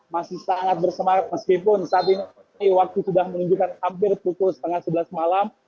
masih sangat bersemangat meskipun saat ini waktu sudah menunjukkan hampir pukul setengah sebelas malam